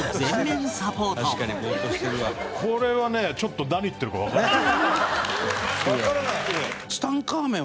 これはねちょっと何言ってるかわからない。